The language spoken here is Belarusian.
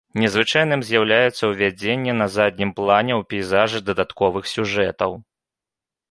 Незвычайным з'яўляецца ўвядзенне на заднім плане ў пейзажы дадатковых сюжэтаў.